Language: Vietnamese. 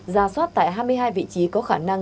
ra soát tại hai mươi hai vị trí có khả năng